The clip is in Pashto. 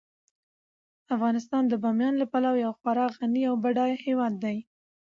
افغانستان د بامیان له پلوه یو خورا غني او بډایه هیواد دی.